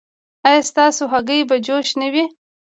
ایا ستاسو هګۍ به جوش نه وي؟